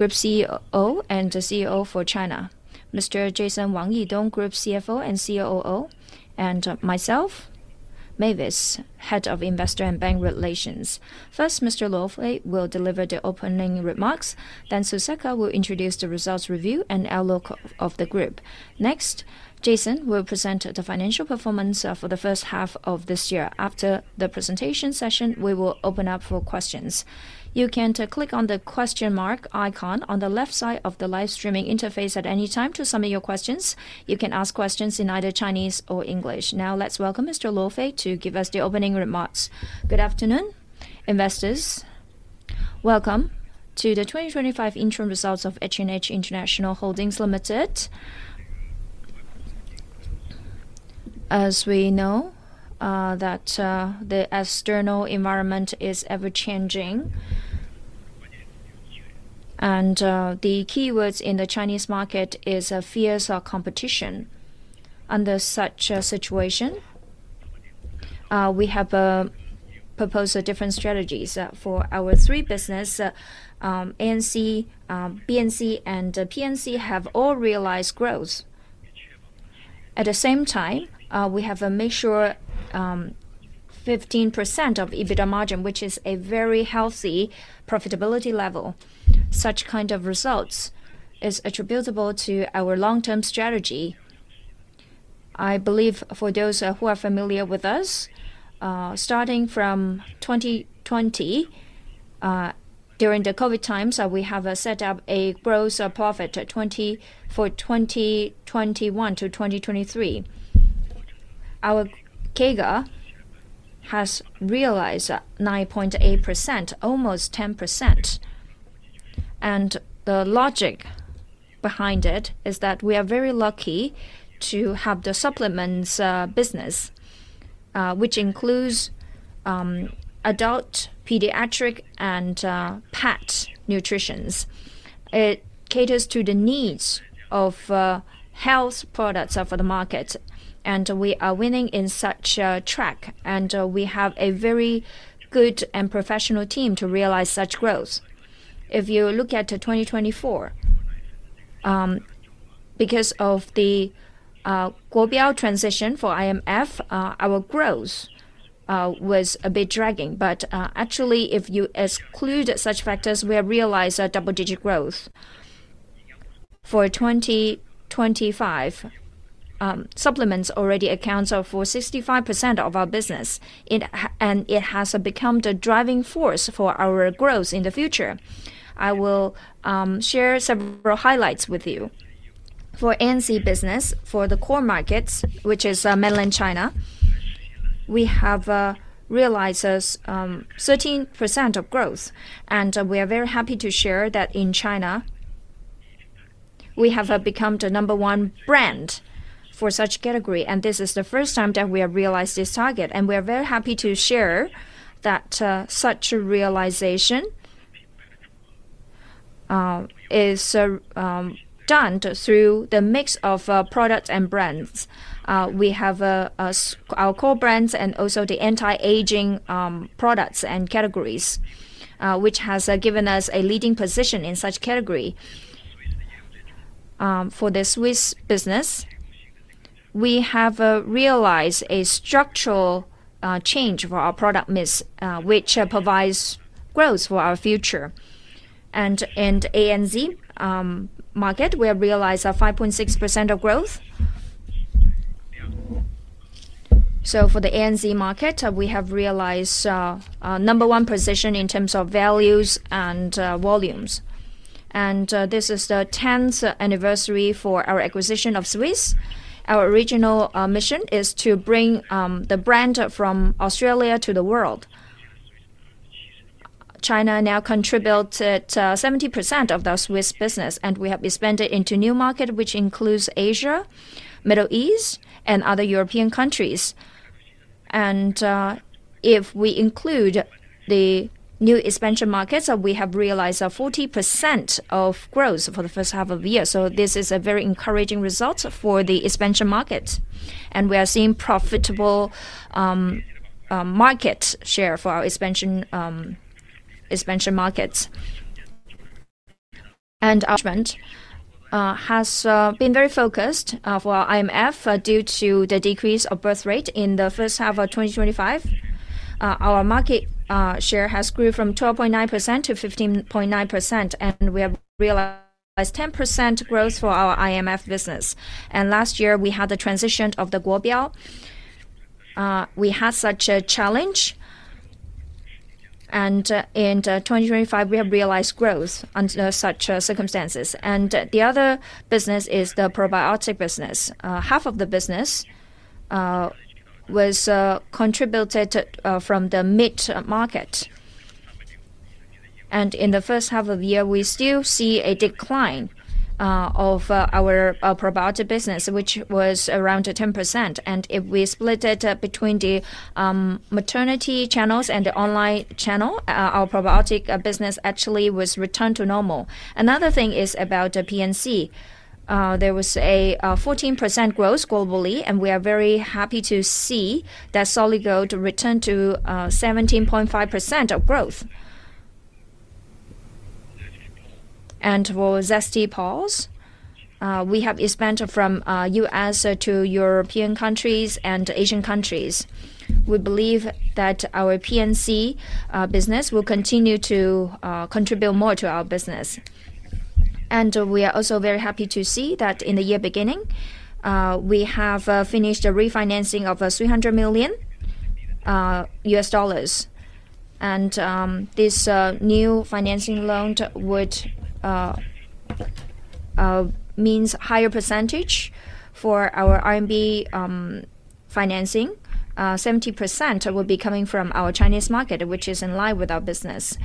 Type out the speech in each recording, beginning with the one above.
Group CEO and the CEO for China, Mr. Jason Wang Yi Dong, Group CFO and COO, and myself, Mavis, Head of Investor and Bank Relations. First, Mr. Luo Fei will deliver the opening remarks, then Suceka will introduce the results review and outlook of the group. Next, Jason will present the financial performance for the first half of this year. After the presentation session, we will open up for questions. You can click on the question mark icon on the left side of the live streaming interface at any time to submit your questions. You can ask questions in either Chinese or English. Now, let's welcome Mr. Luo Fei to give us the opening remarks. Good afternoon, investors. Welcome to the 2025 Interim Results of H&H International Holdings Limited. As we know, the external environment is ever-changing, and the key words in the Chinese market are "fierce" or "competition." Under such a situation, we have proposed different strategies for our three businesses. ANC, BNC, and PNC have all realized growth. At the same time, we have a mature 15% of EBITDA margin, which is a very healthy profitability level. Such kind of results are attributable to our long-term strategy. I believe for those who are familiar with us, starting from 2020, during the COVID times, we have set up a gross profit for 2021-2023. Our CAGR has realized 9.8%, almost 10%. The logic behind it is that we are very lucky to have the supplements business, which includes adult, pediatric, and pet nutrition. It caters to the needs of health products for the market, and we are winning in such a track. We have a very good and professional team to realize such growth. If you look at 2024, because of the global transition for IMF, our growth was a bit dragging. Actually, if you exclude such factors, we have realized double-digit growth. For 2025, supplements already account for 65% of our business, and it has become the driving force for our growth in the future. I will share several highlights with you. For ANC business, for the core markets, which is mainland China, we have realized 13% of growth. We are very happy to share that in China, we have become the No. 1 brand for such a category. This is the first time that we have realized this target. We are very happy to share that such a realization is done through the mix of products and brands. We have our core brands and also the anti-aging products and categories, which has given us a leading position in such a category. For the Swisse business, we have realized a structural change for our product mix, which provides growth for our future. In the ANZ market, we have realized 5.6% of growth. For the ANZ market, we have realized No. 1 position in terms of values and volumes. This is the 10th anniversary for our acquisition of Swisse. Our original mission is to bring the brand from Australia to the world. China now contributes 70% of the Swisse business, and we have expanded into new markets, which include Asia, Middle East, and other European countries. If we include the new expansion markets, we have realized 40% of growth for the first half of the year. This is a very encouraging result for the expansion markets. We are seeing profitable market share for our expansion markets. Management has been very focused for our IMF due to the decrease of birth rate in the first half of 2025. Our market share has grew from 12.9% to 15.9%, and we have realized 10% growth for our IMF business. Last year, we had the transition of the global. We had such a challenge. In 2025, we have realized growth under such circumstances. The other business is the probiotic business. Half of the business was contributed from the meat market. In the first half of the year, we still see a decline of our probiotic business, which was around 10%. If we split it between the maternity channels and the online channel, our probiotic business actually was returned to normal. Another thing is about PNC. There was a 14% growth globally, and we are very happy to see that Solid Gold returned to 17.5% of growth. For Zesty Paws, we have expanded from U.S. to European countries and Asian countries. We believe that our PNC business will continue to contribute more to our business. We are also very happy to see that in the year beginning, we have finished the refinancing of $300 million. This new financing loan would mean a higher percentage for our R&B financing. 70% would be coming from our Chinese market, which is in line with our business.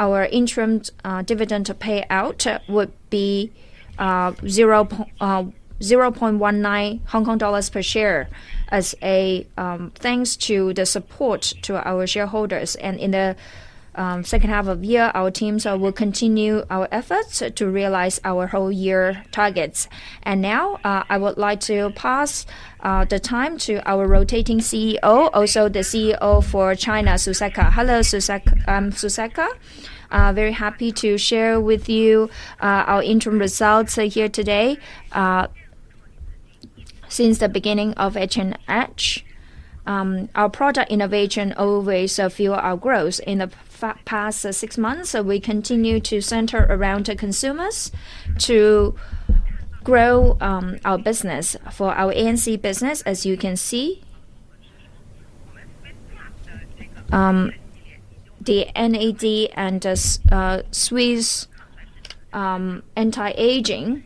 Our interim dividend payout would be 0.19 Hong Kong dollars per share as a thanks to the support to our shareholders. In the second half of the year, our teams will continue our efforts to realize our whole-year targets. Now, I would like to pass the time to our Rotating CEO, also the CEO for China, Suceka. Hello, Suceka. I'm Suceka. Very happy to share with you our interim results here today. Since the beginning of H&H, our product innovation always fueled our growth. In the past six months, we continue to center around consumers to grow our business. For our ANC business, as you can see, the NAD and Swisse anti-aging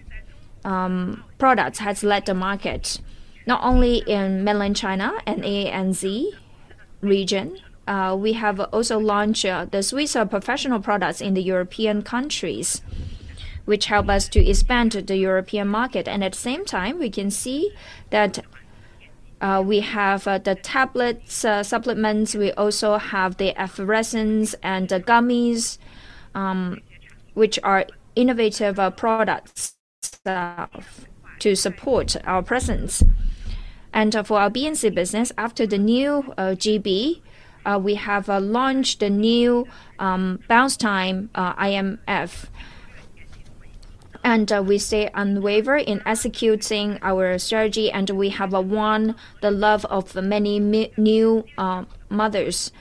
products have led the market, not only in mainland China and ANZ region. We have also launched the Swisse professional products in the European countries, which help us to expand to the European market. At the same time, we can see that we have the tablets, supplements. We also have the efflorescence and the gummies, which are innovative products to support our presence. For our BNC business, after the new GB, we have launched the new Bounce Time IMF. We stay unwavering in executing our strategy, and we have won the love of many new mothers.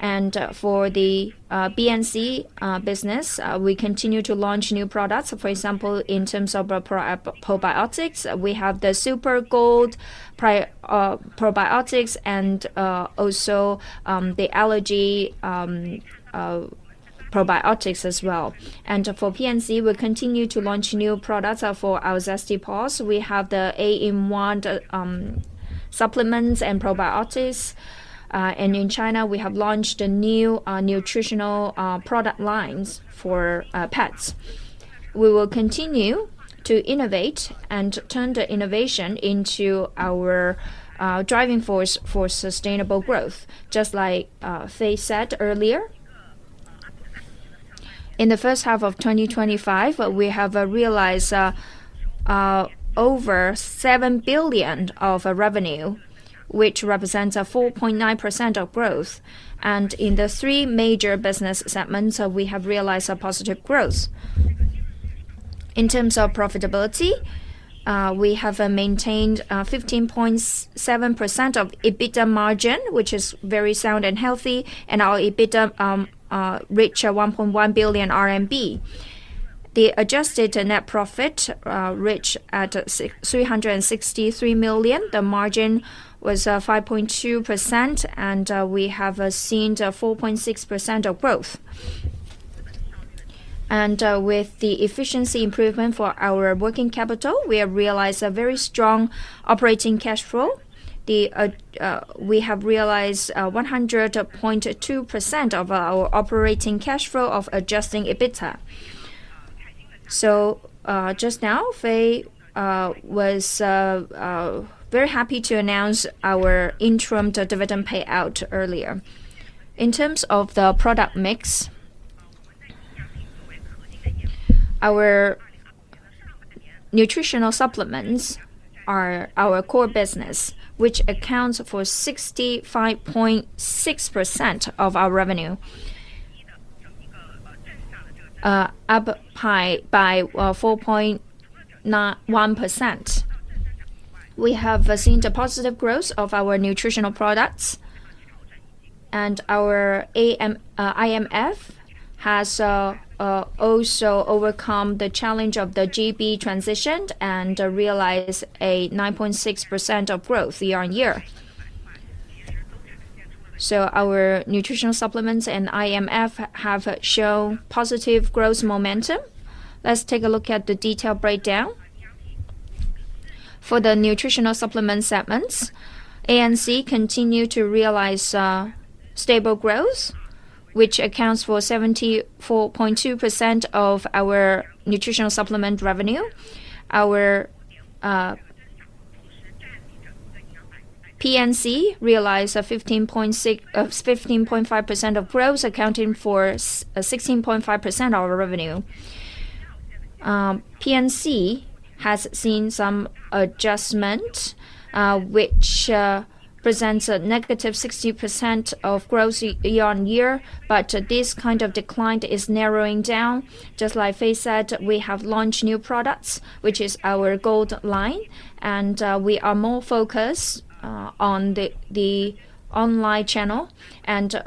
For the BNC business, we continue to launch new products. For example, in terms of probiotics, we have the Super Gold probiotics and also the allergy probiotics as well. For PNC, we continue to launch new products. For our Zesty Paws, we have the 8 in 1 supplements and probiotics. In China, we have launched new nutritional product lines for pets. We will continue to innovate and turn the innovation into our driving force for sustainable growth, just like Fei said earlier. In the first half of 2025, we have realized over 7 billion of revenue, which represents 4.9% of growth. In the three major business segments, we have realized positive growth. In terms of profitability, we have maintained 15.7% of EBITDA margin, which is very sound and healthy. Our EBITDA reached 1.1 billion RMB. The adjusted net profit reached 363 million. The margin was 5.2%, and we have seen 4.6% of growth. With the efficiency improvement for our working capital, we have realized a very strong operating cash flow. We have realized 100.2% of our operating cash flow of adjusted EBITDA. Just now, Fei was very happy to announce our interim dividend payout earlier. In terms of the product mix, our nutritional supplements are our core business, which accounts for 65.6% of our revenue, up by 4.1%. We have seen the positive growth of our nutritional products. Our IMF has also overcome the challenge of the GB transition and realized 9.6% of growth year-on-year. Our nutritional supplements and IMF have shown positive growth momentum. Let's take a look at the detailed breakdown. For the nutritional supplement segments, ANC continues to realize stable growth, which accounts for 74.2% of our nutritional supplement revenue. Our PNC realized 15.5% of growth, accounting for 16.5% of our revenue. PNC has seen some adjustment, which presents a -60% of growth year-on-year. This kind of decline is narrowing down. Just like Fei said, we have launched new products, which is our gold line. We are more focused on the online channel.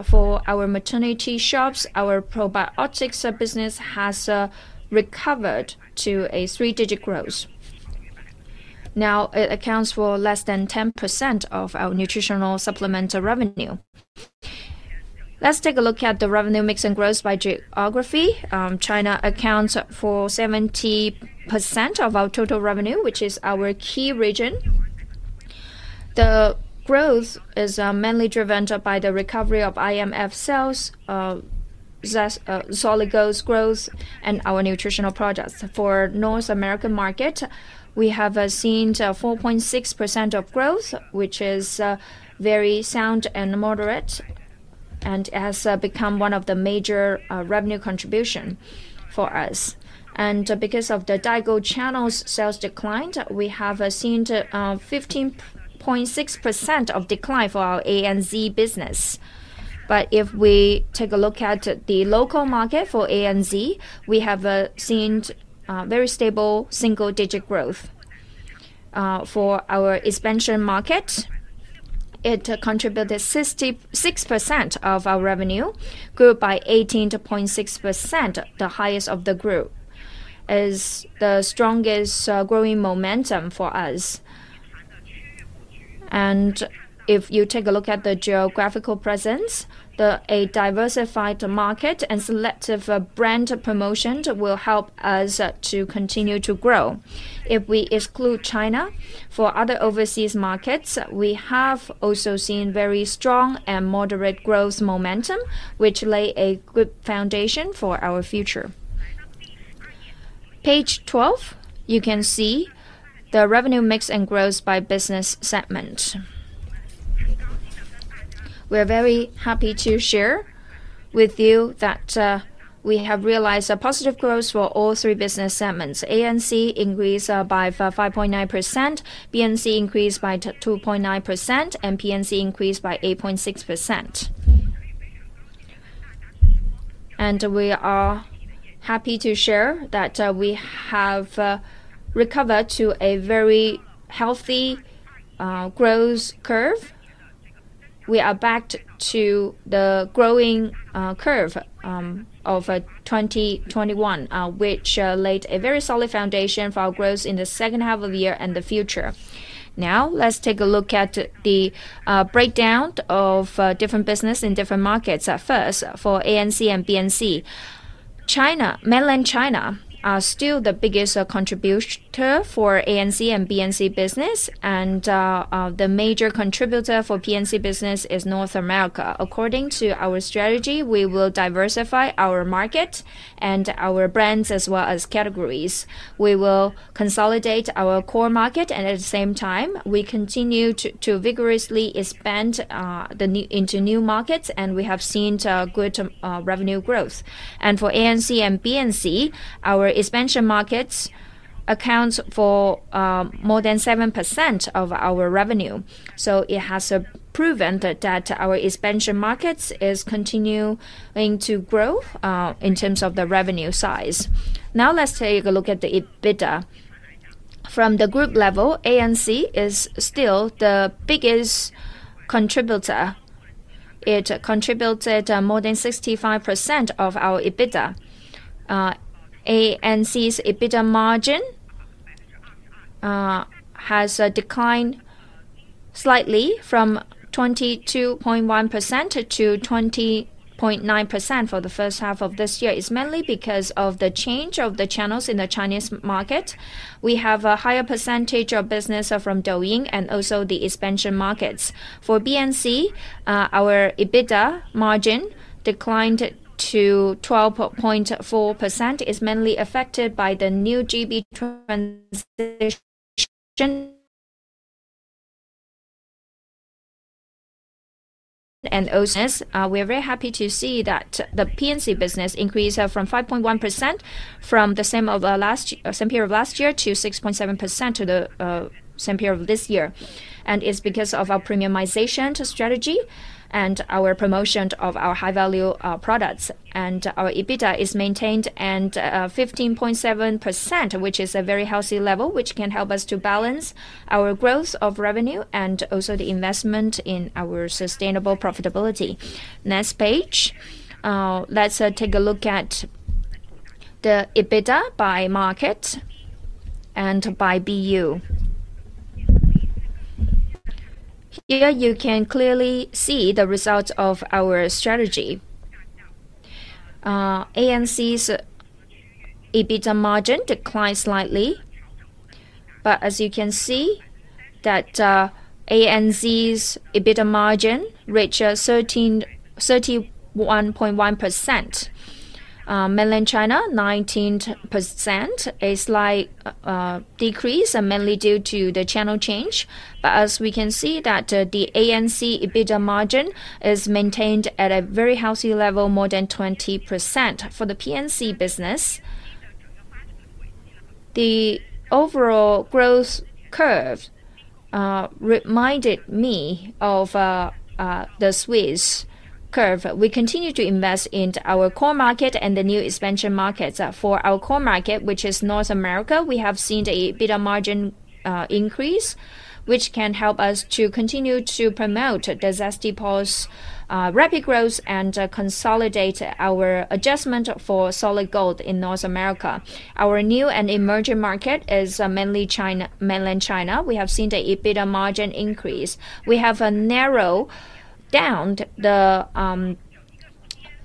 For our maternity shops, our probiotics business has recovered to a three-digit growth. Now it accounts for less than 10% of our nutritional supplement revenue. Let's take a look at the revenue mix and growth by geography. China accounts for 70% of our total revenue, which is our key region. The growth is mainly driven by the recovery of IMF sales, Solid Gold's growth, and our nutritional products. For the North American market, we have seen 4.6% of growth, which is very sound and moderate, and has become one of the major revenue contributions for us. Because of the daigou channels' sales decline, we have seen 15.6% of decline for our ANZ business. If we take a look at the local market for ANZ, we have seen very stable single-digit growth. For our expansion market, it contributed 66% of our revenue, grew by 18.6%, the highest of the group. It is the strongest growing momentum for us. If you take a look at the geographical presence, a diversified market and selective brand promotion will help us to continue to grow. If we exclude China, for other overseas markets, we have also seen very strong and moderate growth momentum, which lays a good foundation for our future. Page 12, you can see the revenue mix and growth by business segment. We are very happy to share with you that we have realized positive growth for all three business segments. ANC increased by 5.9%, BNC increased by 2.9%, and PNC increased by 8.6%. We are happy to share that we have recovered to a very healthy growth curve. We are back to the growing curve of 2021, which laid a very solid foundation for our growth in the second half of the year and the future. Now, let's take a look at the breakdown of different businesses in different markets. First, for ANC and BNC, China, mainland China, is still the biggest contributor for ANC and BNC business. The major contributor for BNC business is North America. According to our strategy, we will diversify our markets and our brands, as well as categories. We will consolidate our core market. At the same time, we continue to vigorously expand into new markets. We have seen good revenue growth. For ANC and BNC, our expansion markets account for more than 7% of our revenue. It has proven that our expansion markets are continuing to grow in terms of the revenue size. Now, let's take a look at the EBITDA. From the group level, ANC is still the biggest contributor. It contributed more than 65% of our EBITDA. ANC's EBITDA margin has declined slightly from 22.1% to 20.9% for the first half of this year. It's mainly because of the change of the channels in the Chinese market. We have a higher percentage of business from Douyin and also the expansion markets. For BNC, our EBITDA margin declined to 12.4%. It is mainly affected by the new GB transition. We are very happy to see that the PNC business increased from 5.1% from the same period of last year to 6.7% for the same period of this year. It's because of our premiumization strategy and our promotion of our high-value products. Our EBITDA is maintained at 15.7%, which is a very healthy level, which can help us to balance our growth of revenue and also the investment in our sustainable profitability. Next page, let's take a look at the EBITDA by market and by BU. Here, you can clearly see the results of our strategy. ANC's EBITDA margin declined slightly. As you can see, ANZ's EBITDA margin reached 31.1%. Mainland China, 19%. A slight decrease, mainly due to the channel change. As we can see, the ANC EBITDA margin is maintained at a very healthy level, more than 20%. For the PNC business, the overall growth curve reminded me of the Swisse curve. We continue to invest in our core market and the new expansion markets. For our core market, which is North America, we have seen the EBITDA margin increase, which can help us to continue to promote the Zesty Paws' rapid growth and consolidate our adjustment for Solid Gold in North America. Our new and emerging market is mainly China, mainland China. We have seen the EBITDA margin increase. We have narrowed down the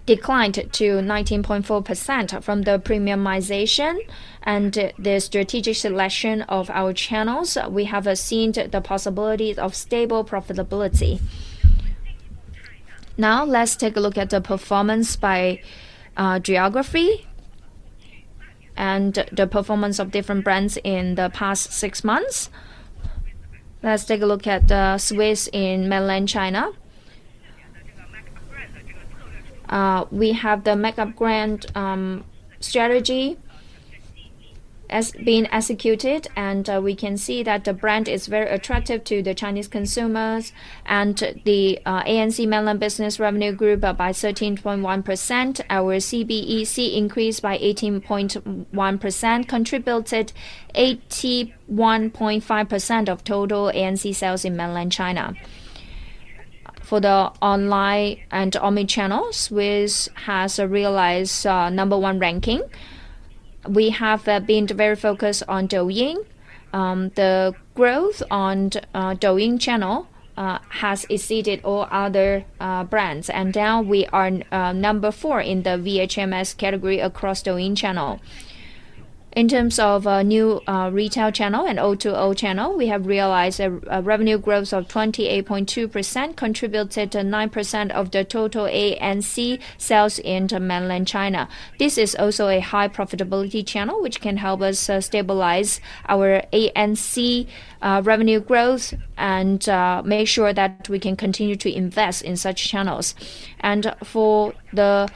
decline to 19.4% from the premiumization and the strategic selection of our channels. We have seen the possibilities of stable profitability. Now, let's take a look at the performance by geography and the performance of different brands in the past six months. Let's take a look at the Swisse and mainland China. We have the makeup brand strategy being executed. We can see that the brand is very attractive to the Chinese consumers. The ANC mainland business revenue grew by 13.1%. Our CBEC increased by 18.1%, contributed 81.5% of total ANC sales in mainland China. For the online and omnichannels, Swisse has realized No. 1 ranking. We have been very focused on Douyin. The growth on Douyin channel has exceeded all other brands. Now we are No. 4 in the VHMS category across Douyin channel. In terms of new retail channel and O2O channel, we have realized a revenue growth of 28.2%, contributed 9% of the total ANC sales in mainland China. This is also a high profitability channel, which can help us stabilize our ANC revenue growth and make sure that we can continue to invest in such channels. For the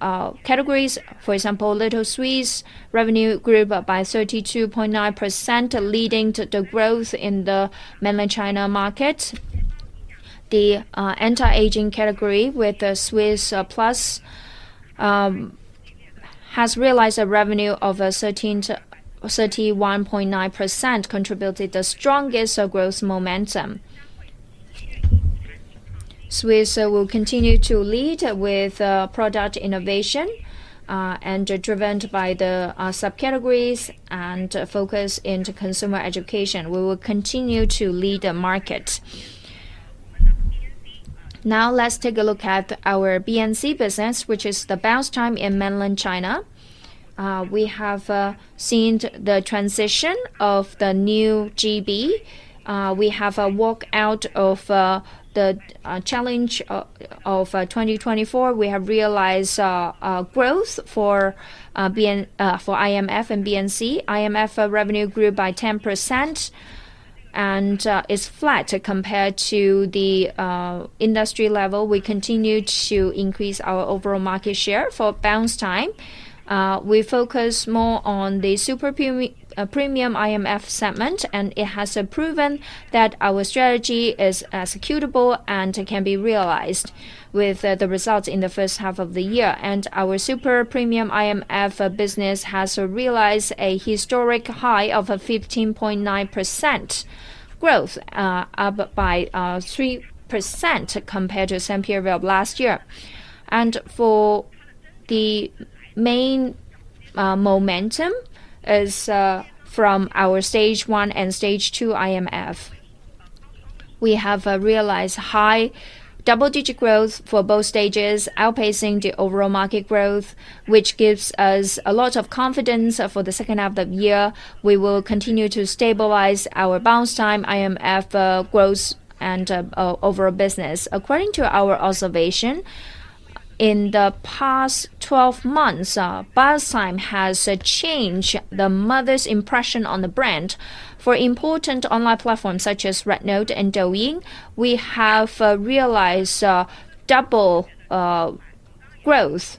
sub-categories, for example, LITTLE SWISSE revenue grew by 32.9%, leading to the growth in the mainland China market. The anti-aging category with Swisse PLUS has realized a revenue of 31.9%, contributed the strongest growth momentum. Swisse will continue to lead with product innovation and driven by the subcategories and focus in consumer education. We will continue to lead the markets. Now, let's take a look at our BNC business, which is the Bounce Time in mainland China. We have seen the transition of the new GB. We have walked out of the challenge of 2024. We have realized growth for IMF and BNC. IMF revenue grew by 10%. It's flat compared to the industry level. We continue to increase our overall market share for Bounce Time. We focus more on the super premium IMF segment. It has proven that our strategy is executable and can be realized with the results in the first half of the year. Our super premium IMF business has realized a historic high of 15.9% growth, up by 3% compared to the same period of last year. The main momentum is from our stage one and stage two IMF. We have realized high double-digit growth for both stages, outpacing the overall market growth, which gives us a lot of confidence for the second half of the year. We will continue to stabilize our Bounce Time IMF growth and overall business. According to our observation, in the past 12 months, Bounce Time has changed the mother's impression on the brand. For important online platforms such as RedNote and Douyin, we have realized double growth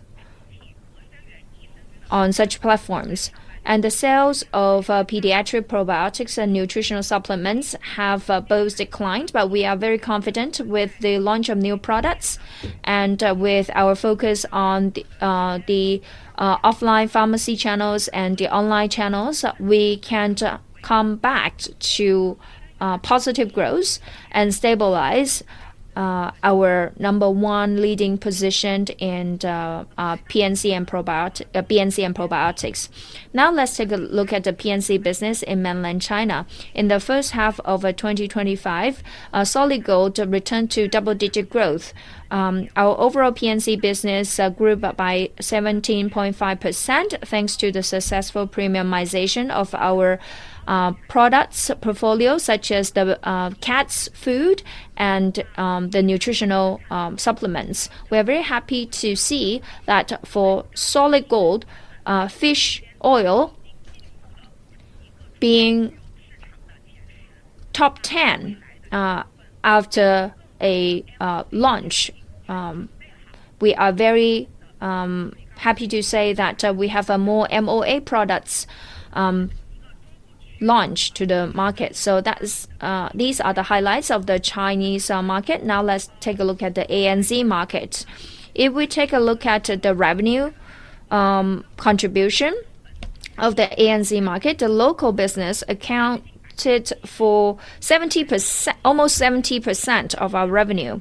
on such platforms. The sales of pediatric probiotics and nutritional supplements have both declined. We are very confident with the launch of new products. With our focus on the offline pharmacy channels and the online channels, we can come back to positive growth and stabilize our No. 1 leading position in PNC and probiotics. Now, let's take a look at the PNC business in mainland China. In the first half of 2025, Solid Gold returned to double-digit growth. Our overall PNC business grew by 17.5% thanks to the successful premiumization of our products portfolio, such as the cat's food and the nutritional supplements. We are very happy to see that for Solid Gold, fish oil being top 10 after a launch. We are very happy to say that we have more MOA products launched to the market. These are the highlights of the Chinese market. Now, let's take a look at the ANZ market. If we take a look at the revenue contribution of the ANZ market, the local business accounted for 70%, almost 70% of our revenue.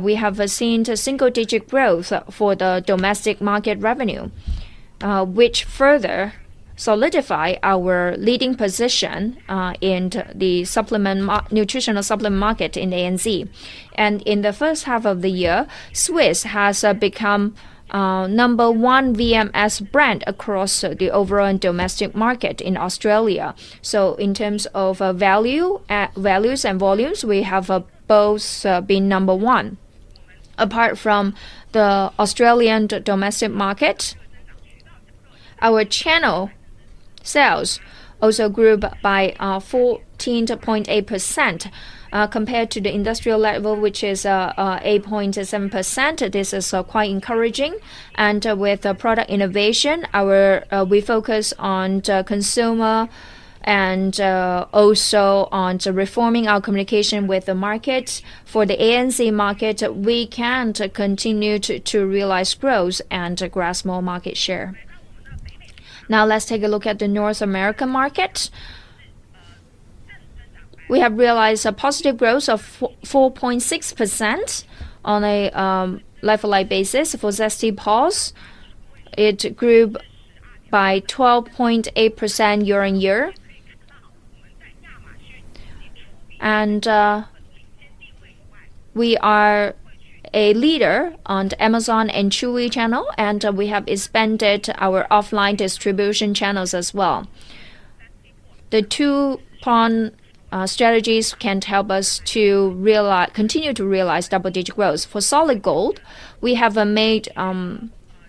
We have seen single-digit growth for the domestic market revenue, which further solidified our leading position in the supplement nutritional supplement market in ANZ. In the first half of the year, Swisse has become No. 1 VMS brand across the overall domestic market in Australia. In terms of values and volumes, we have both been No. 1. Apart from the Australian domestic market, our channel sales also grew by 14.8% compared to the industrial level, which is 8.7%. This is quite encouraging. With the product innovation, we focus on consumer and also on reforming our communication with the markets. For the ANZ market, we can continue to realize growth and grasp more market share. Now, let's take a look at the North American market. We have realized a positive growth of 4.6% on a lifelike basis. For Zesty Paws, it grew by 12.8% year-on-year. We are a leader on the Amazon and Chewy channel. We have expanded our offline distribution channels as well. The two-prong strategies can help us to continue to realize double-digit growth. For Solid Gold, we have made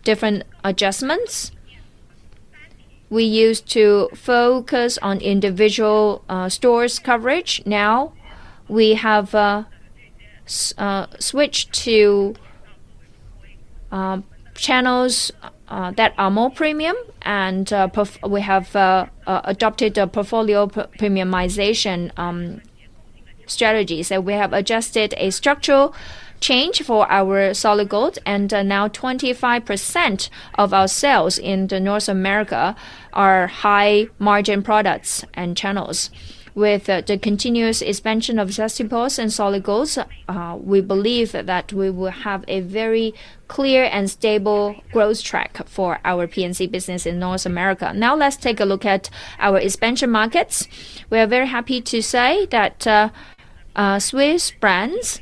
different adjustments. We used to focus on individual stores' coverage. Now, we have switched to channels that are more premium. We have adopted the portfolio premiumization strategies. We have adjusted a structural change for our Solid Gold. Now, 25% of our sales in North America are high-margin products and channels. With the continuous expansion of Zesty Paws and Solid Gold, we believe that we will have a very clear and stable growth track for our PNC business in North America. Now, let's take a look at our expansion markets. We are very happy to say that Swisse brands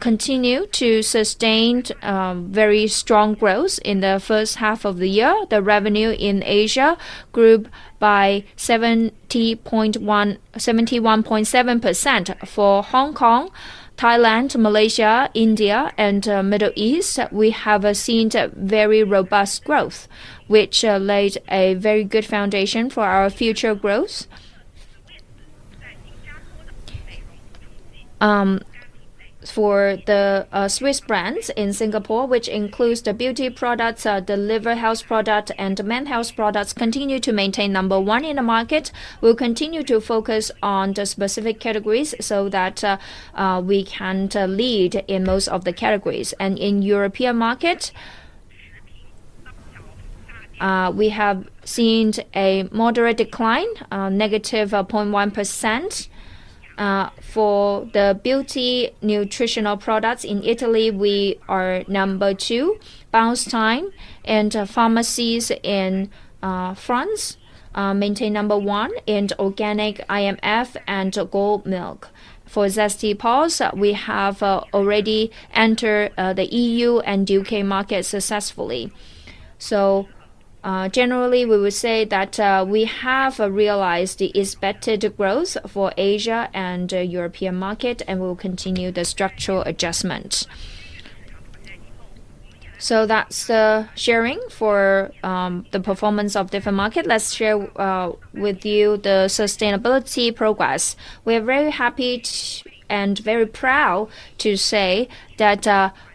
continue to sustain very strong growth in the first half of the year. The revenue in Asia grew by 71.7%. For Hong Kong, Thailand, Malaysia, India, and the Middle East, we have seen very robust growth, which laid a very good foundation for our future growth. For the Swisse brands in Singapore, which includes the beauty products, the liver health products, and the men health products, continue to maintain No. 1 in the market. We'll continue to focus on the specific categories so that we can lead in most of the categories. In the European markets, we have seen a moderate decline, -0.1%. For the beauty nutritional products in Italy, we are No. 2. Bounce time in pharmacies in France maintains No. 1 in organic IMF and goat milk. For Zesty Paws, we have already entered the EU and UK markets successfully. Generally, we will say that we have realized the expected growth for Asia and the European market. We'll continue the structural adjustment. That's the sharing for the performance of different markets. Let's share with you the sustainability progress. We are very happy and very proud to say that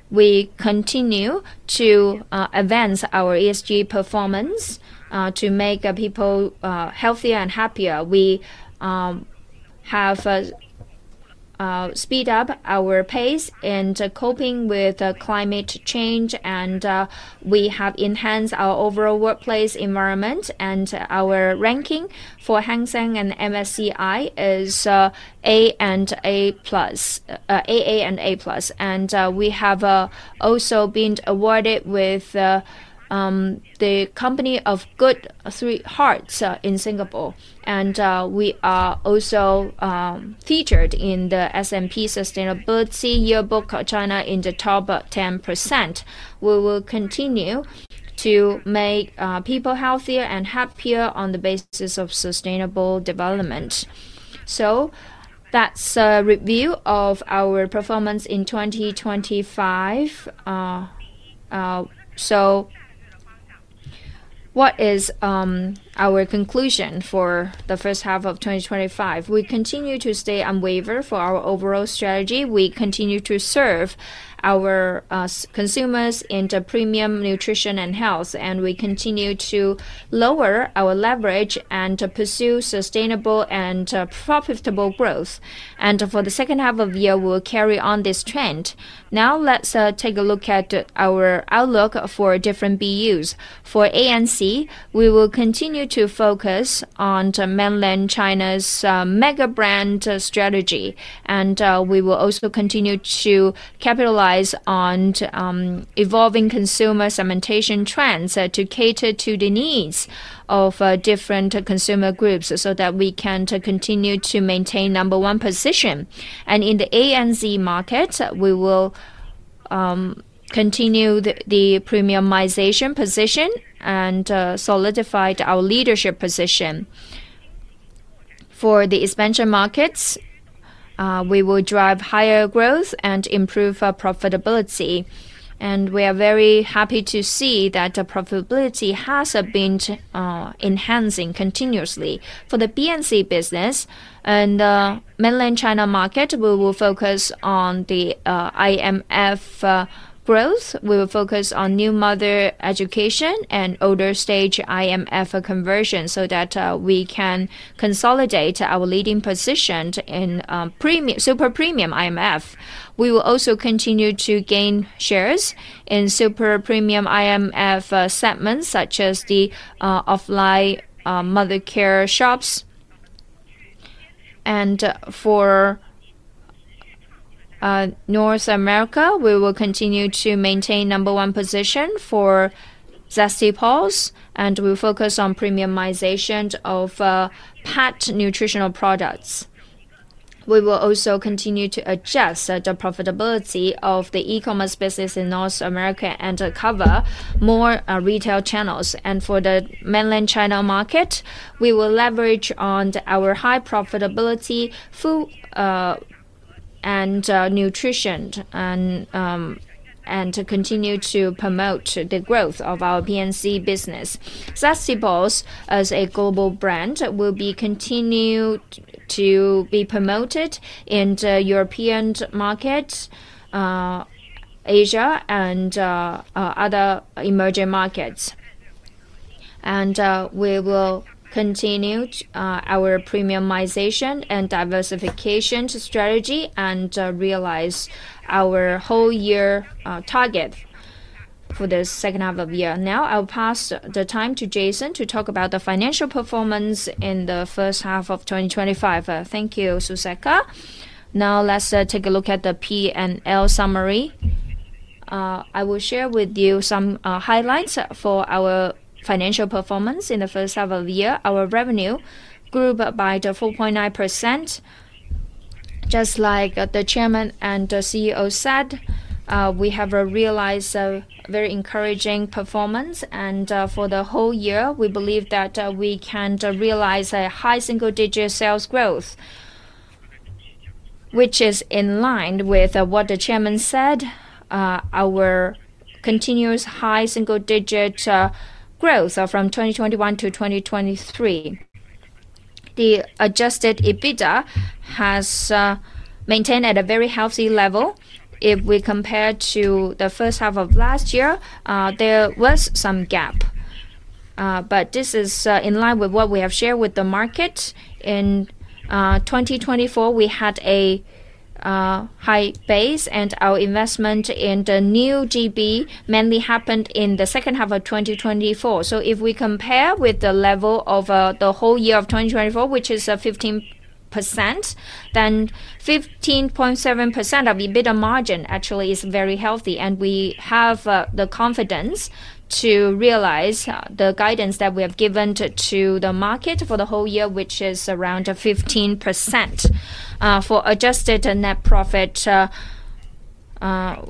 we continue to advance our ESG performance to make people healthier and happier. We have speeded up our pace in coping with climate change. We have enhanced our overall workplace environment. Our ranking for Hang Seng and MSCI is A and A+. We have also been awarded with the Company of Good Three Hearts in Singapore. We are also featured in the S&P Sustainability Yearbook of China in the top 10%. We will continue to make people healthier and happier on the basis of sustainable development. That's a review of our performance in 2025. What is our conclusion for the first half of 2025? We continue to stay unwavering for our overall strategy. We continue to serve our consumers in the premium nutrition and health. We continue to lower our leverage and pursue sustainable and profitable growth. For the second half of the year, we will carry on this trend. Now, let's take a look at our outlook for different BUs. For ANC, we will continue to focus on mainland China's mega brand strategy. We will also continue to capitalize on evolving consumer segmentation trends to cater to the needs of different consumer groups so that we can continue to maintain No. 1 position. In the ANZ markets, we will continue the premiumization position and solidify our leadership position. For the expansion markets, we will drive higher growth and improve our profitability. We are very happy to see that the profitability has been enhancing continuously. For the BNC business and the Mainland China market, we will focus on the IMF growth. We will focus on new mother education and older stage IMF conversion so that we can consolidate our leading position in super premium IMF. We will also continue to gain shares in super premium IMF segments such as the offline mother care shops. For North America, we will continue to maintain No. 1 position for Zesty Paws. We will focus on premiumization of pet nutritional products. We will also continue to adjust the profitability of the e-commerce business in North America and cover more retail channels. For the Mainland China market, we will leverage on our high profitability food and nutrition and continue to promote the growth of our BNC business. Zesty Paws as a global brand will continue to be promoted in the European markets, Asia, and other emerging markets. We will continue our premiumization and diversification strategy and realize our whole-year target for the second half of the year. Now, I'll pass the time to Jason to talk about the financial performance in the first half of 2025. Thank you, Suceka. Now, let's take a look at the P&L summary. I will share with you some highlights for our financial performance in the first half of the year. Our revenue grew by 4.9%. Just like the Chairman and the CEO said, we have realized a very encouraging performance. For the whole year, we believe that we can realize a high single-digit sales growth, which is in line with what the Chairman said, our continuous high single-digit growth from 2021-2023. The adjusted EBITDA has maintained at a very healthy level. If we compare to the first half of last year, there was some gap. This is in line with what we have shared with the market. In 2024, we had a high base. Our investment in the new GB mainly happened in the second half of 2024. If we compare with the level of the whole year of 2024, which is 15%, then 15.7% of EBITDA margin actually is very healthy. We have the confidence to realize the guidance that we have given to the market for the whole year, which is around 15%. For adjusted net profit, we are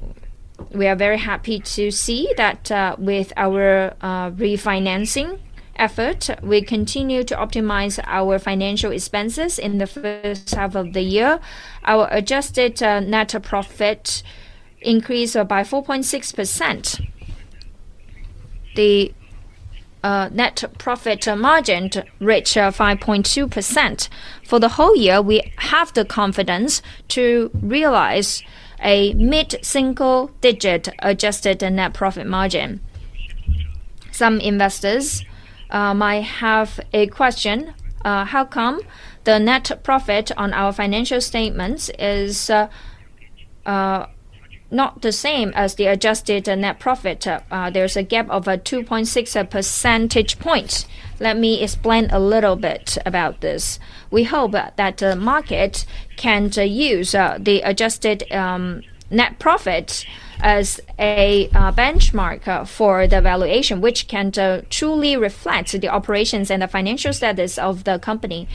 very happy to see that with our refinancing effort, we continue to optimize our financial expenses in the first half of the year. Our adjusted net profit increased by 4.6%. The net profit margin reached 5.2%. For the whole year, we have the confidence to realize a mid-single-digit adjusted net profit margin. Some investors might have a question, how come the net profit on our financial statements is not the same as the adjusted net profit? There's a gap of 2.6 percentage points. Let me explain a little bit about this. We hope that the market can use the adjusted net profit as a benchmark for the valuation, which can truly reflect the operations and the financial status of the company.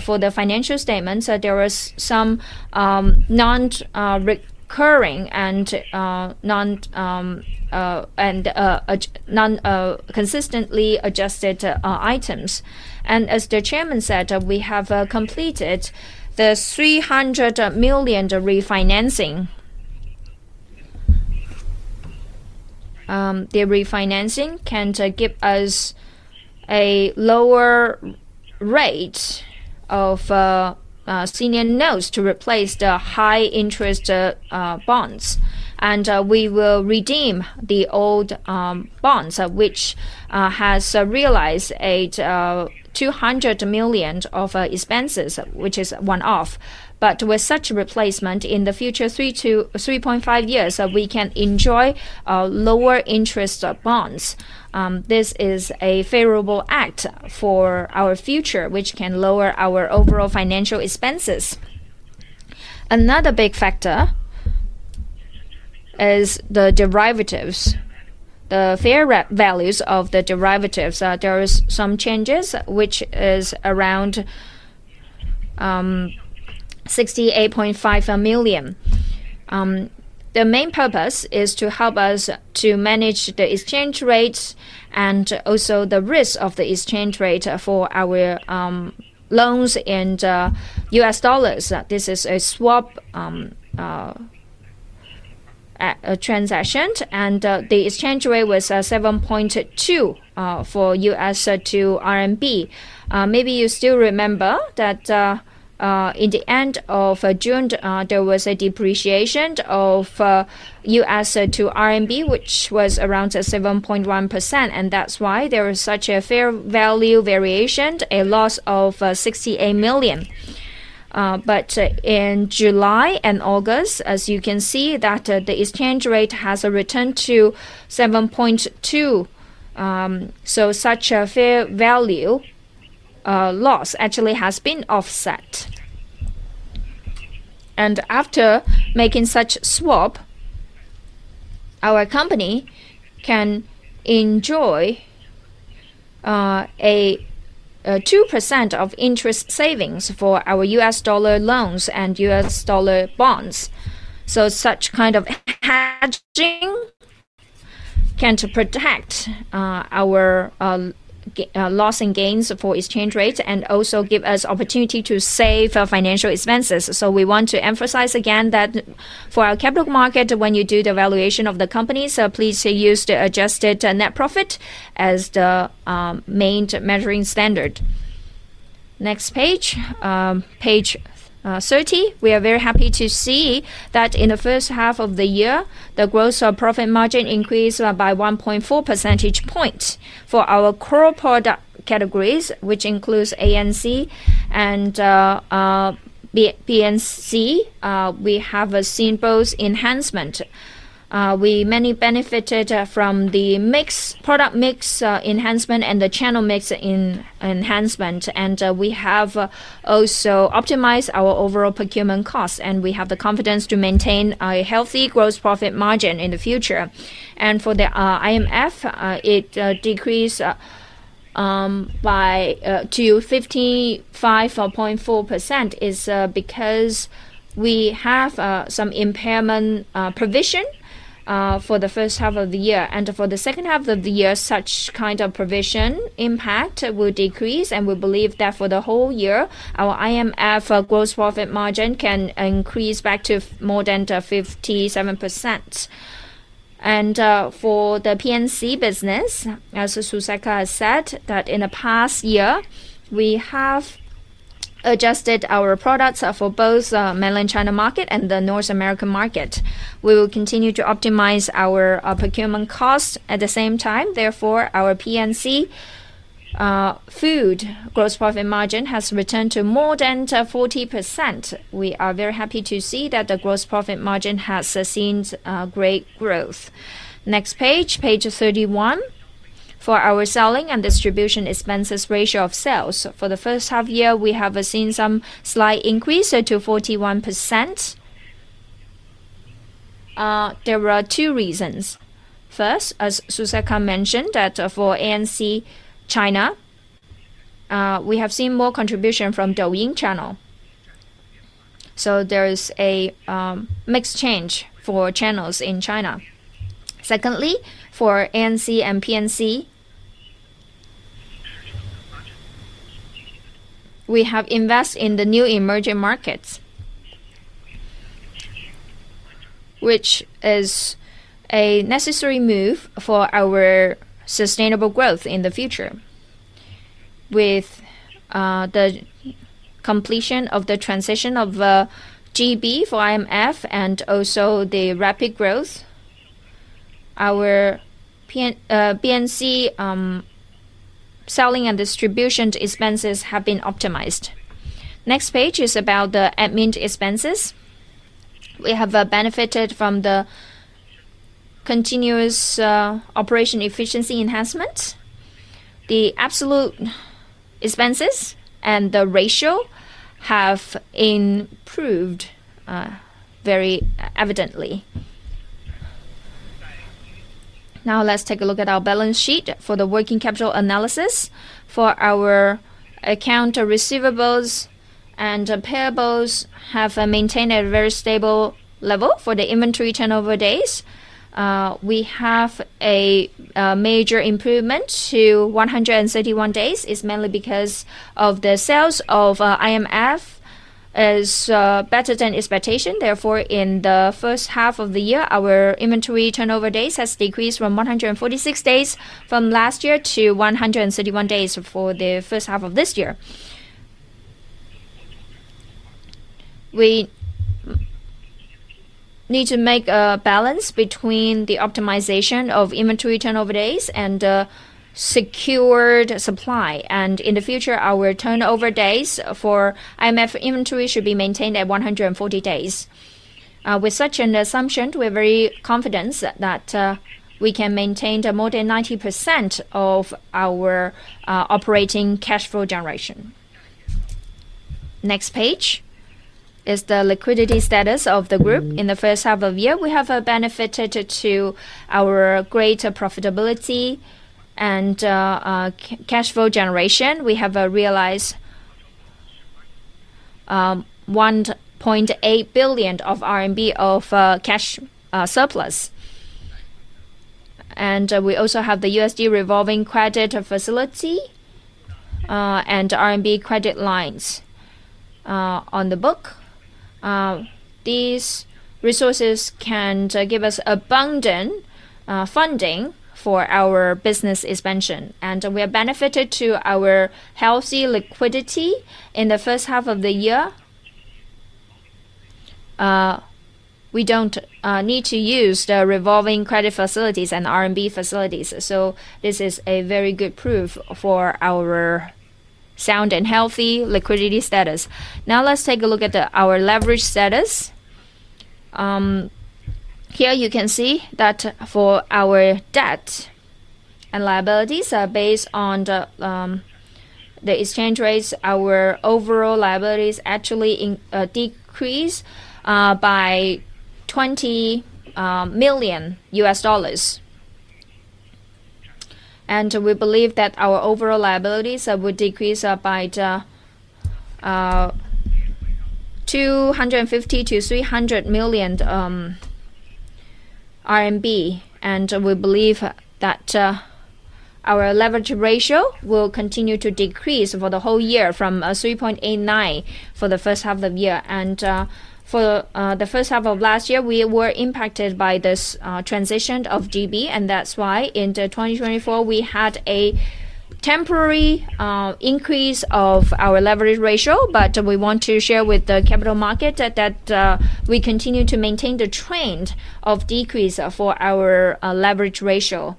For the financial statements, there are some non-recurring and non-consistently adjusted items. As the chairman said, we have completed the $300 million refinancing. The refinancing can give us a lower rate of senior notes to replace the high-interest bonds. We will redeem the old bonds, which has realized $200 million of expenses, which is one-off. With such a replacement, in the future, three to 3.5 years, we can enjoy lower interest bonds. This is a favorable act for our future, which can lower our overall financial expenses. Another big factor is the derivatives, the fair values of the derivatives. There are some changes, which are around $68.5 million. The main purpose is to help us to manage the exchange rates and also the risk of the exchange rate for our loans in U.S. dollars. This is a swap transaction. The exchange rate was 7.2 for U.S. to RMB. Maybe you still remember that in the end of June, there was a depreciation of U.S. to RMB, which was around 7.1. That's why there was such a fair value variation, a loss of $68 million. In July and August, as you can see, the exchange rate has returned to 7.2. Such a fair value loss actually has been offset. After making such a swap, our company can enjoy a 2% interest savings for our U.S. dollar loans and U.S. dollar bonds. Such kind of hedging can protect our loss and gains for exchange rates and also give us opportunity to save financial expenses. We want to emphasize again that for our capital market, when you do the valuation of the companies, please use the adjusted net profit as the main measuring standard. Next page, page 30. We are very happy to see that in the first half of the year, the gross profit margin increased by 1.4 percentage points. For our core product categories, which includes ANC and BNC, we have seen both enhancement. We mainly benefited from the product mix enhancement and the channel mix enhancement. We have also optimized our overall procurement costs. We have the confidence to maintain a healthy gross profit margin in the future. For the IMF, it decreased by 55.4%. It's because we have some impairment provision for the first half of the year. For the second half of the year, such kind of provision impact will decrease. We believe that for the whole year, our IMF gross profit margin can increase back to more than 57%. For the PNC business, as Suceka has said, in the past year, we have adjusted our products for both the Mainland China market and the North American market. We will continue to optimize our procurement costs at the same time. Therefore, our PNC food gross profit margin has returned to more than 40%. We are very happy to see that the gross profit margin has seen great growth. Next page, page 31. For our selling and distribution expenses ratio of sales, for the first half of the year, we have seen some slight increase to 41%. There were two reasons. First, as Suceka mentioned, for ANC China, we have seen more contribution from Douyin channel. There is a mix change for channels in China. Secondly, for ANC and PNC, we have invested in the new emerging markets, which is a necessary move for our sustainable growth in the future. With the completion of the transition of GB for IMF and also the rapid growth, our BNC selling and distribution expenses have been optimized. Next page is about the admin expenses. We have benefited from the continuous operation efficiency enhancement. The absolute expenses and the ratio have improved very evidently. Now, let's take a look at our balance sheet for the working capital analysis. Our account receivables and payables have maintained a very stable level. For the inventory turnover days, we have a major improvement to 131 days. It's mainly because the sales of IMF is better than expectation. In the first half of the year, our inventory turnover days have decreased from 146 days from last year to 131 days for the first half of this year. We need to make a balance between the optimization of inventory turnover days and the secured supply. In the future, our turnover days for IMF inventory should be maintained at 140 days. With such an assumption, we're very confident that we can maintain more than 90% of our operating cash flow generation. Next page is the liquidity status of the group. In the first half of the year, we have benefited to our greater profitability and cash flow generation. We have realized 1.8 billion RMB of cash surplus. We also have the USD revolving credit facility and RMB credit lines on the book. These resources can give us abundant funding for our business expansion. We have benefited to our healthy liquidity in the first half of the year. We don't need to use the revolving credit facilities and RMB facilities. This is a very good proof for our sound and healthy liquidity status. Now, let's take a look at our leverage status. Here, you can see that for our debt and liabilities are based on the exchange rates. Our overall liabilities actually decreased by $20 million. We believe that our overall liabilities would decrease by 250 million-300 million RMB. We believe that our leverage ratio will continue to decrease for the whole year from 3.89 for the first half of the year. For the first half of last year, we were impacted by this transition of GB. That's why in 2024, we had a temporary increase of our leverage ratio. We want to share with the capital market that we continue to maintain the trend of decrease for our leverage ratio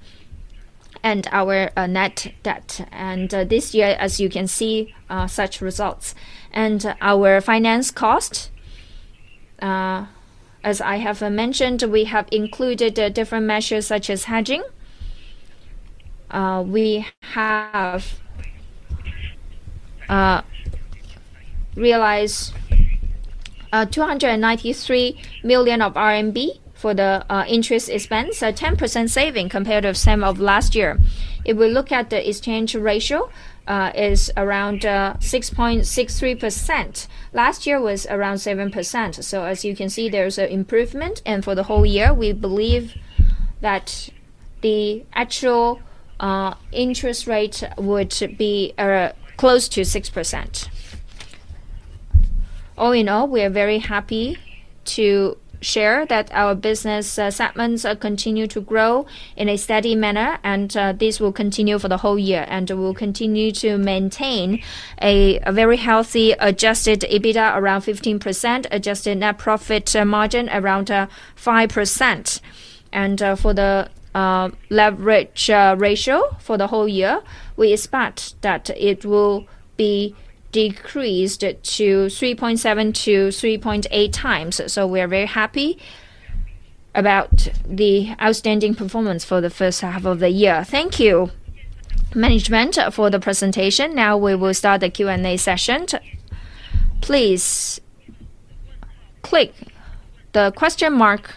and our net debt. This year, as you can see, such results. Our finance cost, as I have mentioned, we have included different measures such as hedging. We have realized 293 million RMB for the interest expense, a 10% saving compared to the same of last year. If we look at the exchange ratio, it's around 6.63%. Last year was around 7%. As you can see, there's an improvement. For the whole year, we believe that the actual interest rate would be close to 6%. All in all, we are very happy to share that our business segments continue to grow in a steady manner. This will continue for the whole year. We'll continue to maintain a very healthy adjusted EBITDA around 15%, adjusted net profit margin around 5%. For the leverage ratio for the whole year, we expect that it will be decreased to 3.7x-3.8x. We are very happy about the outstanding performance for the first half of the year. Thank you, management, for the presentation. Now, we will start the Q&A session. Please click the question mark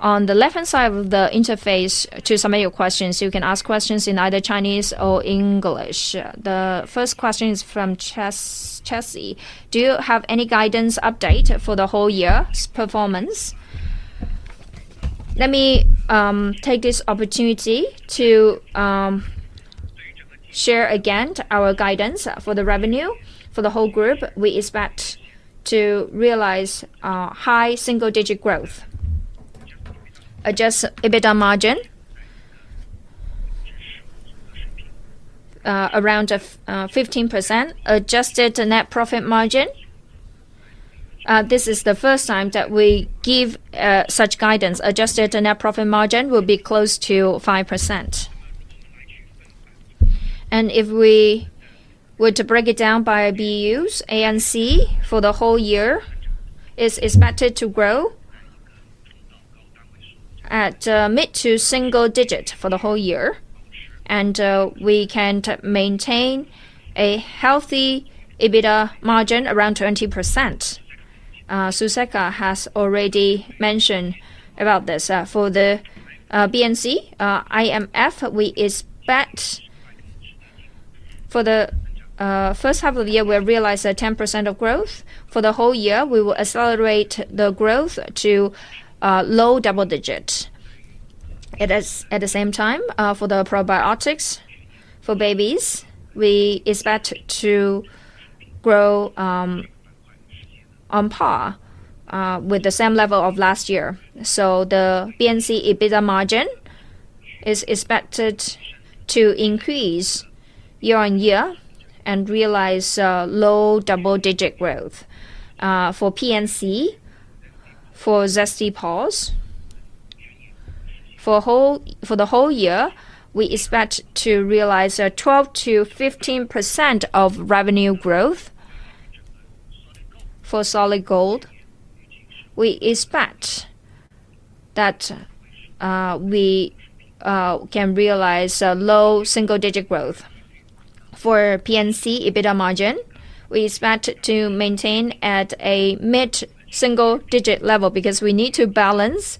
on the left-hand side of the interface to submit your questions. You can ask questions in either Chinese or English. The first question is from Jesse. Do you have any guidance update for the whole year performance? Let me take this opportunity to share again our guidance for the revenue. For the whole group, we expect to realize high single-digit growth, adjusted EBITDA margin around 15%, adjusted net profit margin. This is the first time that we give such guidance. Adjusted net profit margin will be close to 5%. If we were to break it down by BUs, ANC for the whole year is expected to grow at mid to single digit for the whole year. We can maintain a healthy EBITDA margin around 20%. Suceka has already mentioned about this. For the BNC, IMF, we expect for the first half of the year, we'll realize a 10% of growth. For the whole year, we will accelerate the growth to low double digits. At the same time, for the probiotics for babies, we expect to grow on par with the same level of last year. The BNC EBITDA margin is expected to increase year on year and realize low double-digit growth. For PNC, for Zesty Paws, for the whole year, we expect to realize 12%-15% of revenue growth. For Solid Gold, we expect that we can realize low single-digit growth. For PNC EBITDA margin, we expect to maintain at a mid-single-digit level because we need to balance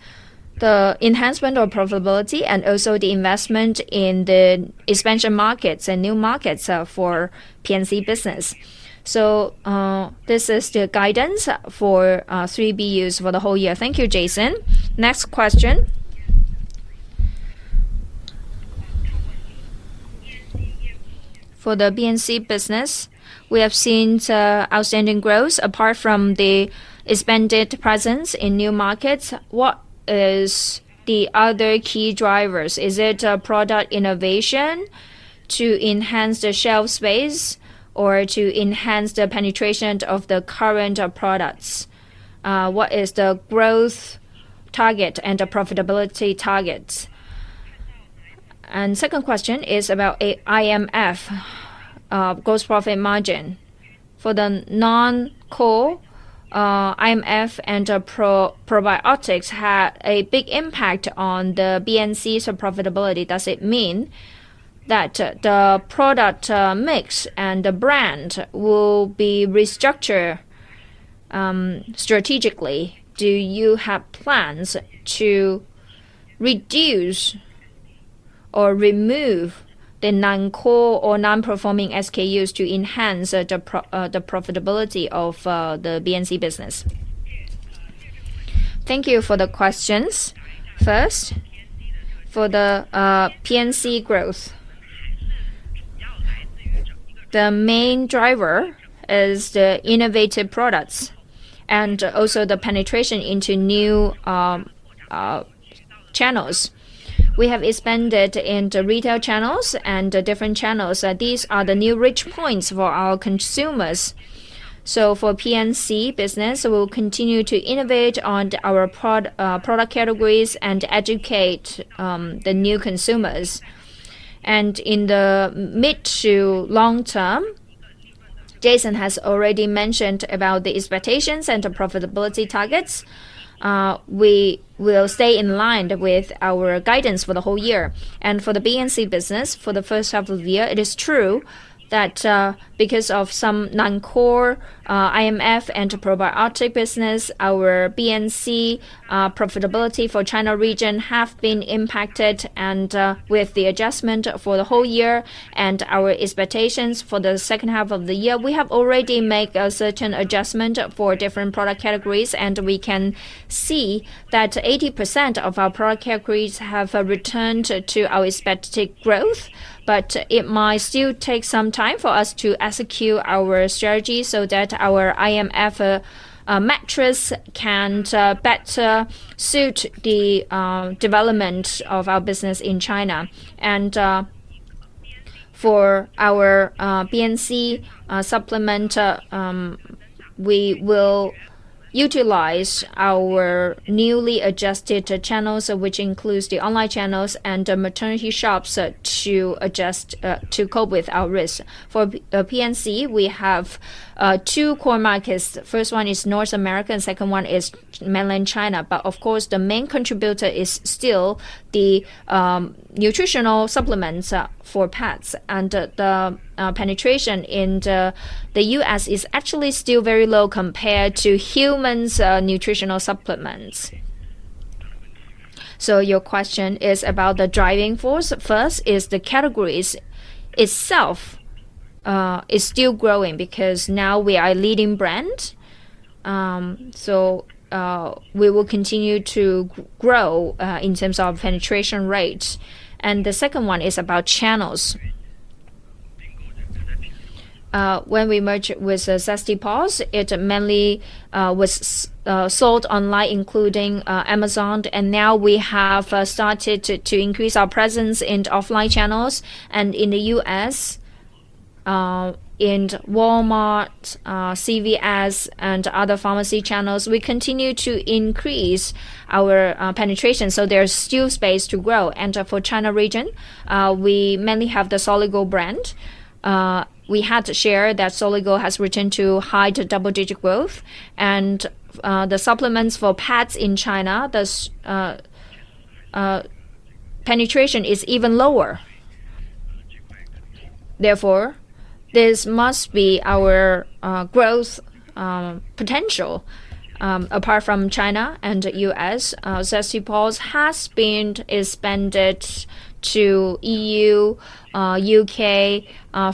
the enhancement of profitability and also the investment in the expansion markets and new markets for PNC business. This is the guidance for three BUs for the whole year. Thank you, Jason. Next question. For the BNC business, we have seen outstanding growth apart from the expanded presence in new markets. What are the other key drivers? Is it product innovation to enhance the shelf space or to enhance the penetration of the current products? What is the growth target and the profitability targets? The second question is about IMF gross profit margin. For the non-core IMF and probiotics had a big impact on the BNC's profitability. Does it mean that the product mix and the brand will be restructured strategically? Do you have plans to reduce or remove the non-core or non-performing SKUs to enhance the profitability of the BNC business? Thank you for the questions. First, for the PNC growth, the main driver is the innovative products and also the penetration into new channels. We have expanded in the retail channels and different channels. These are the new rich points for our consumers. For the PNC business, we'll continue to innovate on our product categories and educate the new consumers. In the mid to long term, Jason has already mentioned the expectations and the profitability targets. We will stay in line with our guidance for the whole year. For the BNC business, for the first half of the year, it is true that because of some non-core IMF and probiotic business, our BNC profitability for the China region has been impacted. With the adjustment for the whole year and our expectations for the second half of the year, we have already made a certain adjustment for different product categories. We can see that 80% of our product categories have returned to our expected growth. It might still take some time for us to execute our strategy so that our IMF matrix can better suit the development of our business in China. For our BNC supplement, we will utilize our newly adjusted channels, which include the online channels and the maternity shops to cope with our risks. For PNC, we have two core markets. The first one is North America, and the second one is mainland China. Of course, the main contributor is still the nutritional supplements for pets. The penetration in the U.S. is actually still very low compared to humans' nutritional supplements. Your question is about the driving force. First, the categories itself is still growing because now we are a leading brand. We will continue to grow in terms of penetration rates. The second one is about channels. When we merged with Zesty Paws, it mainly was sold online, including Amazon. Now we have started to increase our presence in offline channels. In the U.S., in Walmart, CVS, and other pharmacy channels, we continue to increase our penetration. There is still space to grow. For the China region, we mainly have the Solid Gold brand. We had to share that Solid Gold has returned to high double-digit growth. The supplements for pets in China, the penetration is even lower. Therefore, this must be our growth potential. Apart from China and the U.S., Zesty Paws has been expanded to EU, UK,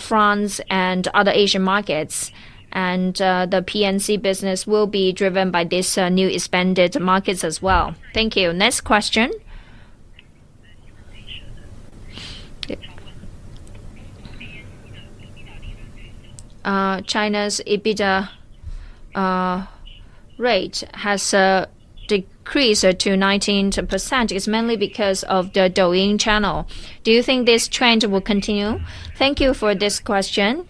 France, and other Asian markets. The PNC business will be driven by these new expanded markets as well. Thank you. Next question. China's EBITDA rate has decreased to 19%. It's mainly because of the Douyin channel. Do you think this trend will continue? Thank you for this question.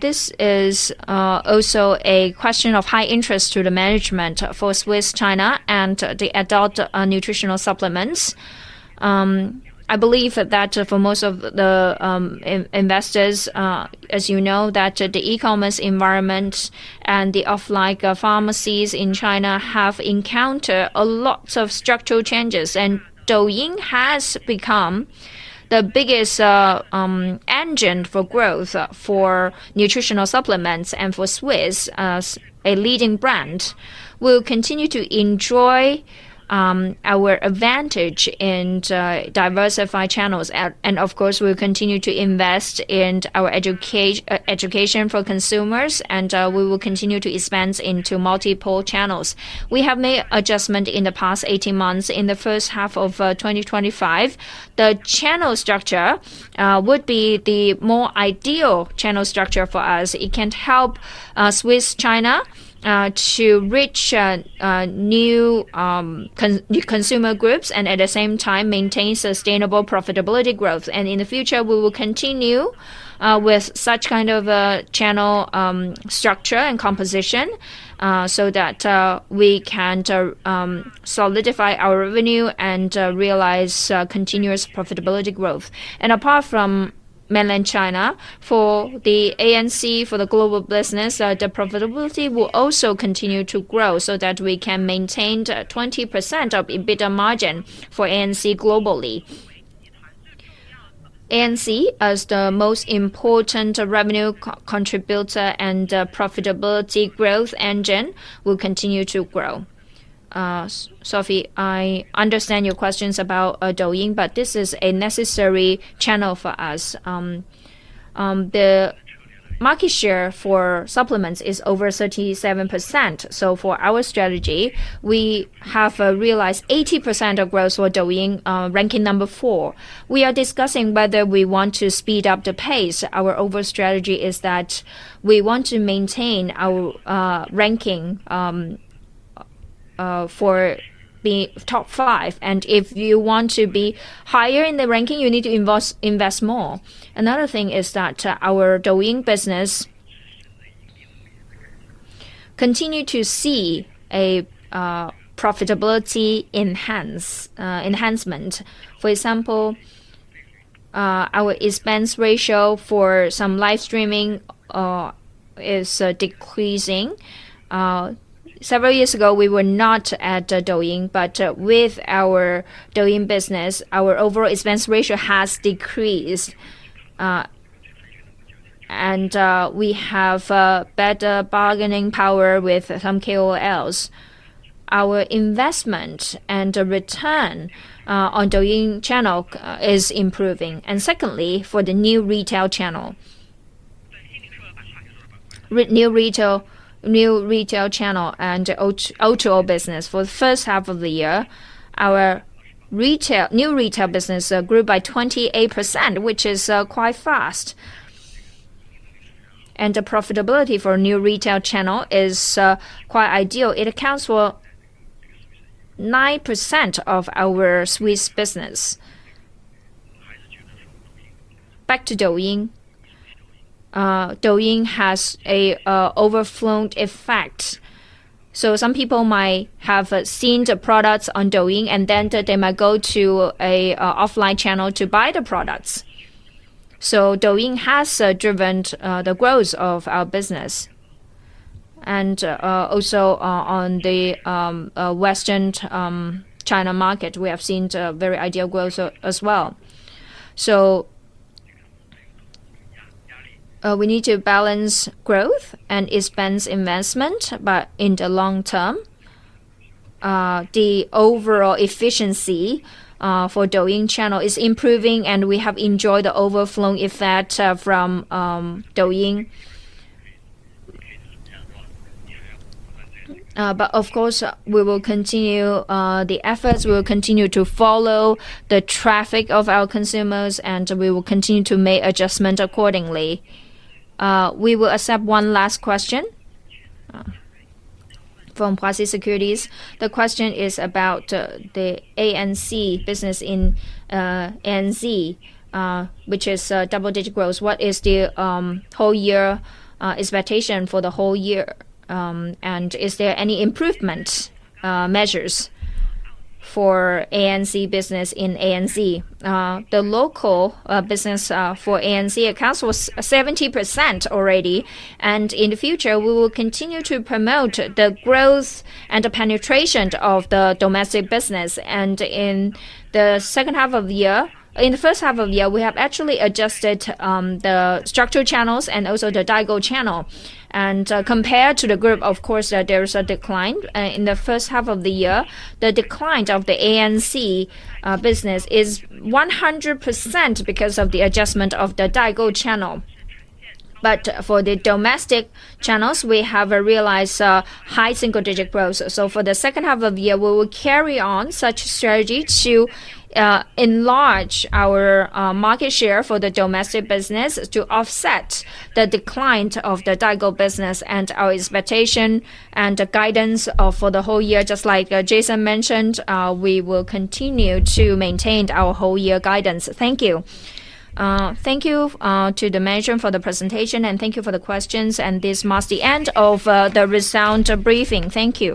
This is also a question of high interest to the management for Swisse China and the adult nutritional supplements. I believe that for most of the investors, as you know, the e-commerce environment and the offline pharmacies in China have encountered a lot of structural changes. Douyin has become the biggest engine for growth for nutritional supplements. For Swisse, a leading brand, we'll continue to enjoy our advantage in diversified channels. We will continue to invest in our education for consumers and continue to expand into multiple channels. We have made adjustments in the past 18 months. In the first half of 2025, the channel structure would be the more ideal channel structure for us. It can help Swisse China to reach new consumer groups and at the same time maintain sustainable profitability growth. In the future, we will continue with such kind of a channel structure and composition so that we can solidify our revenue and realize continuous profitability growth. Apart from mainland China, for the ANC, for the global business, the profitability will also continue to grow so that we can maintain 20% of EBITDA margin for ANC globally. ANC, as the most important revenue contributor and profitability growth engine, will continue to grow. Sophie, I understand your questions about Douyin, but this is a necessary channel for us. The market share for supplements is over 37%. For our strategy, we have realized 80% of growth for Douyin, ranking No. 4. We are discussing whether we want to speed up the pace. Our overall strategy is that we want to maintain our ranking for being top five. If you want to be higher in the ranking, you need to invest more. Another thing is that our Douyin business continues to see a profitability enhancement. For example, our expense ratio for some live streaming is decreasing. Several years ago, we were not at Douyin. With our Douyin business, our overall expense ratio has decreased. We have better bargaining power with some KOLs. Our investment and the return on Douyin channel is improving. Secondly, for the new retail channel and the O2O business, for the first half of the year, our new retail business grew by 28%, which is quite fast. The profitability for a new retail channel is quite ideal. It accounts for 9% of our Swisse business. Back to Douyin. Douyin has an overflowing effect. Some people might have seen the products on Douyin, and then they might go to an offline channel to buy the products. Douyin has driven the growth of our business. Also, in the Western China market, we have seen very ideal growth as well. We need to balance growth and expense investment. In the long term, the overall efficiency for the Douyin channel is improving. We have enjoyed the overflowing effect from Douyin. Of course, we will continue the efforts. We will continue to follow the traffic of our consumers, and we will continue to make adjustments accordingly. We will accept one last question from Policy Securities. The question is about the ANC business in ANZ, which is double-digit growth. What is the whole year expectation for the whole year? Is there any improvement measures for ANZ business in ANZ? The local business for ANZ accounts was 70% already. In the future, we will continue to promote the growth and the penetration of the domestic business. In the second half of the year, in the first half of the year, we have actually adjusted the structural channels and also the digital channel. Compared to the group, of course, there is a decline. In the first half of the year, the decline of the ANZ business is 100% because of the adjustment of the digital channel. For the domestic channels, we have realized high single-digit growth. For the second half of the year, we will carry on such strategy to enlarge our market share for the domestic business to offset the decline of the digital business. Our expectation and the guidance for the whole year, just like Jason mentioned, we will continue to maintain our whole-year guidance. Thank you. Thank you to the management for the presentation, and thank you for the questions. This marks the end of the resound briefing. Thank you.